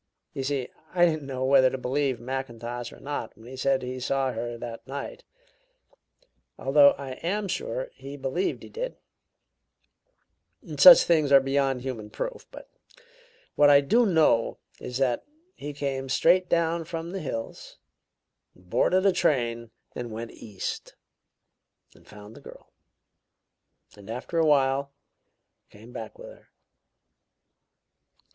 You see, I didn't know whether to believe Mackintosh or not when he said he saw her that night, although I am sure he believed he did such things are beyond human proof but what I do know is that he came straight down from the hills, and boarded a train, and went East, and found the girl, and, after a while, came back with her."